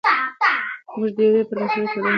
موږ د یوې پرمختللې ټولنې هیله لرو.